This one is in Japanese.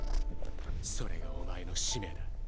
「それがお前の使命だ」